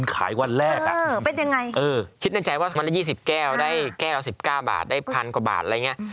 คิดในใจว่ามันได้๒๐แก้วได้แก้ว๑๙บาทได้๑๐๐๐กว่าบาท